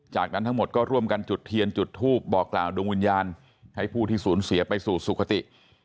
จากนั้นทั้งหมดก็ร่วมกันจุดเทียนจุดทูปบอกกล่าวดวงวิญญาณให้ผู้ที่สูญเสียไปสู่สุขติ